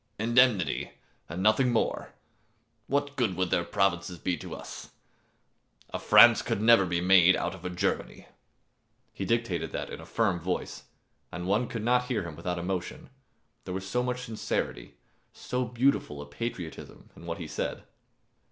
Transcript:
"Indemnity, and nothing more what good would their provinces be to us? A France could never be made out of a Germany." He dictated that in a firm voice, and one could not hear him without emotion, there was so much sincerity, so beautiful a patriotism in what he said.